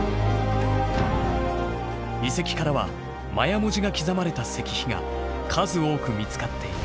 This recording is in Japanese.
遺跡からはマヤ文字が刻まれた石碑が数多く見つかっている。